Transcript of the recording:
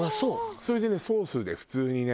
それでねソースで普通にね。